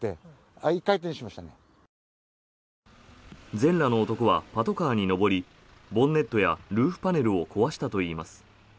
全裸の男はパトカーに上りボンネットやルーフパネルを壊したといいます。